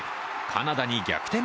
カナダに逆転